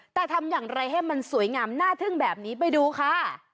แต่ทำอย่างไรให้มันสวยงามน่าทึ่งแบบนี้ไปดูค่ะ